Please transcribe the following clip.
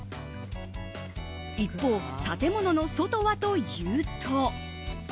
一方、建物の外はというと。